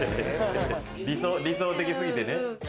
理想的すぎて？